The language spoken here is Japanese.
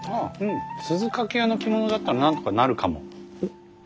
鈴懸屋の着物だったらなんとかなるかも。